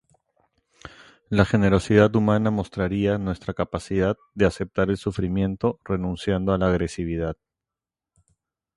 La generosidad humana mostraría nuestra capacidad de aceptar el sufrimiento, renunciando a la agresividad.